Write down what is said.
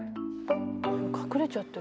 隠れちゃってる。